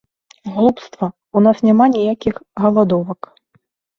Глупства, у нас няма ніякіх галадовак.